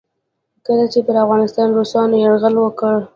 کله چې پر افغانستان روسانو یرغل وکړ.